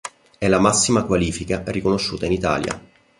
È la massima qualifica riconosciuta in Italia.